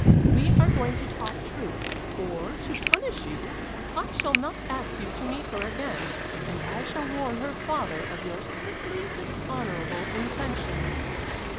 We are going to talk truth, or, to punish you, I shall not ask you to meet her again, and I shall warn her father of your strictly dishonorable intentions."